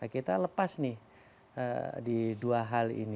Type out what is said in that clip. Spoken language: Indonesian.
kita lepas nih di dua hal ini